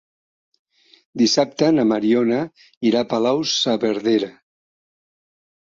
Dissabte na Mariona irà a Palau-saverdera.